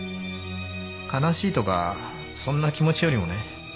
悲しいとかそんな気持ちよりもね